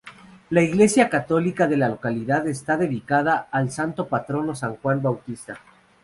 La iglesia católica de la localidad está dedicada al santo patrono, San Juan Bautista.